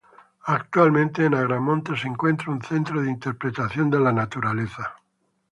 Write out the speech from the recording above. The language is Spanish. Actualmente en Agramonte se encuentra un Centro de Interpretación de la Naturaleza.